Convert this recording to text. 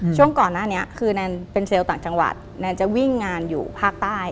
ช่วงก่อนหน้านี้คือแนนเป็นเซลล์ต่างจังหวัดแนนจะวิ่งงานอยู่ภาคใต้